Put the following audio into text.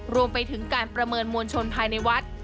รวมไปถึงการประเมินมวลชนภายในวัด